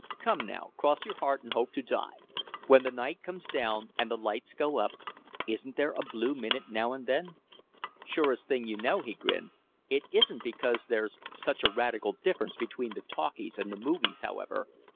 Come now, cross your heart and hope to die. When the night comes down and the lights go up, isn't there a blue minute now and then?" "Surest thing you know," he grinned. "It isn't because there's such a radical difference between the 'talkies' and the movies, however."